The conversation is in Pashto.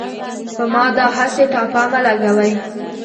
په ما داهسې ټاپه مه لګوۍ